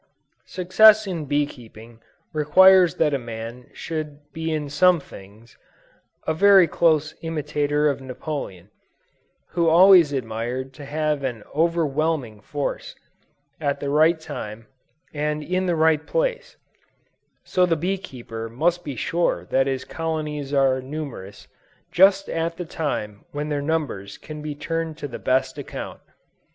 Success in bee keeping requires that a man should be in some things, a very close imitator of Napoleon, who always aimed to have an overwhelming force, at the right time and in the right place; so the bee keeper must be sure that his colonies are numerous, just at the time when their numbers can be turned to the best account.